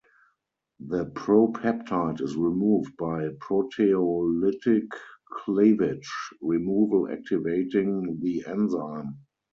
The propeptide is removed by proteolytic cleavage; removal activating the enzyme.